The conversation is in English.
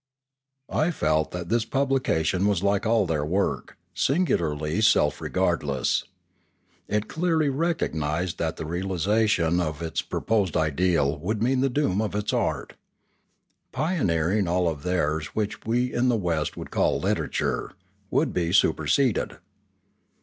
I felt that this publication was like all their work, singularly self regardless. It clearly recognised that the realisation of its proposed ideal would mean the doom of its art. Pioneering, all of theirs which we in the West would call literature, would be superseded.